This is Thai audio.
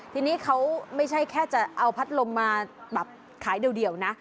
ทีนี้เขาไม่ใช่แค่จะเอาพัดลมมาแบบขายเดี่ยวนะ